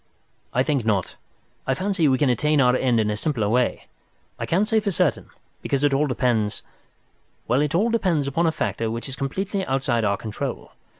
"I think not. I fancy we can attain our end in a simpler way. I can't say for certain, because it all depends—well, it all depends upon a factor which is completely outside our control.